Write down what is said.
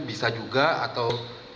bisa juga atau